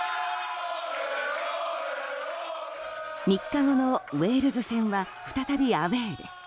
３日後のウェールズ戦は再びアウェーです。